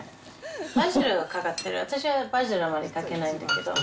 バジルがかかってる、私はバジル、あまりかけないんだけど。